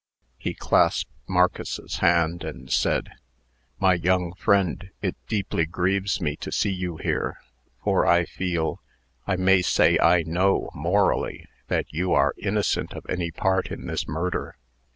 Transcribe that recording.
He clasped Marcus's hand, and said: "My young friend, it deeply grieves me to see you here; for I feel I may say I know morally that you are innocent of any part in this murder."